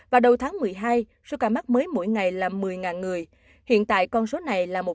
vào đầu tháng một mươi hai số ca mắc mới mỗi ngày là một mươi người hiện tại con số này là một trăm linh người